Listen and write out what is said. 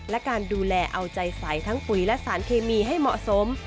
และการดูแลเอาใจใสทั้งปุ๋ยและสารเคมีให้เหมาะสม